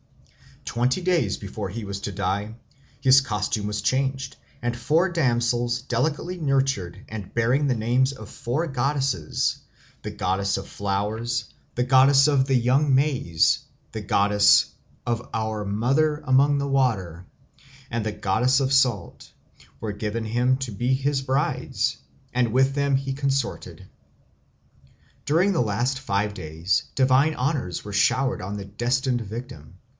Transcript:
Twenty days before he was to die, his costume was changed, and four damsels delicately nurtured and bearing the names of four goddesses the Goddess of Flowers, the Goddess of the Young Maize, the Goddess "Our Mother among the Water," and the Goddess of Salt were given him to be his brides, and with them he consorted. During the last five days divine honours were showered on the destined victim.